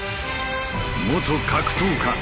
元格闘家。